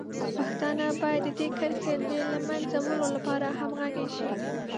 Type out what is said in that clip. پښتانه باید د دې کرښې د له منځه وړلو لپاره همغږي شي.